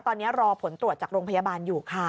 ตอนนี้รอผลตรวจจากโรงพยาบาลอยู่ค่ะ